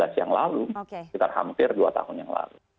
sekitar hampir dua tahun yang lalu